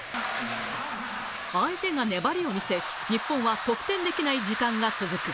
相手が粘りを見せ、日本は得点できない時間が続く。